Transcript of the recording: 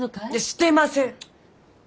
してません！